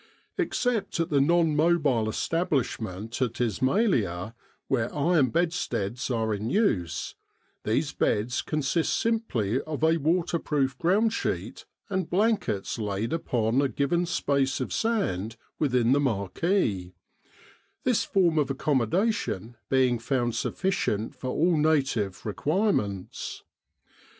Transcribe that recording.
Except at the non mobile establishment at Ismailia, where iron bedsteads are in use, these beds consist simply of a waterproof ground sheet and blankets laid upon a given space of sand within the marquee, this form of accommodation being found sufficient for all native requirements.